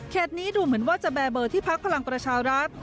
นี้ดูเหมือนว่าจะแบร์เบอร์ที่พักพลังประชารัฐ